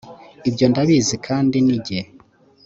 ibyo ndabizi kandi ni jye